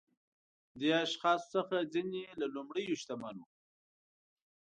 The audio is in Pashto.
دې اشخاصو څخه ځینې لومړيو شتمن وو.